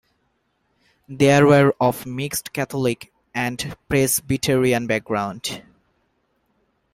They were of mixed Catholic and Presbyterian background.